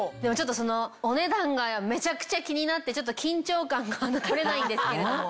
お値段がめちゃくちゃ気になって緊張感が取れないんですけれども。